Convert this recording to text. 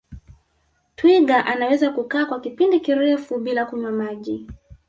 twiga anaweza kukaa kwa kipindi kirefu bila kunywa maji